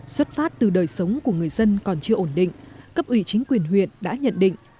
xuất phát từ đời sống của người dân còn chưa ổn định cấp ủy chính quyền huyện đã nhận định